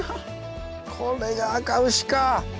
これがあかうしか！